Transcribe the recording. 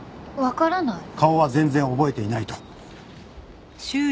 顔は全然覚えていないと。